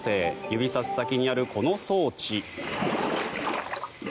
指さす先にあるこの装置。